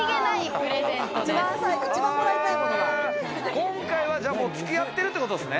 今回は、もう付き合っているってことですね。